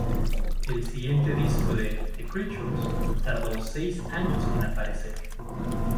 El siguiente disco de The Creatures tardó seis años en aparecer.